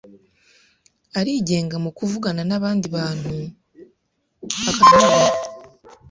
arigenga mu kuvugana n’abandi bantu akanubaha.